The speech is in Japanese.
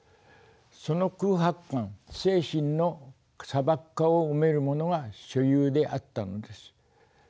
その空白感精神の砂漠化を埋めるものが所有であったのです。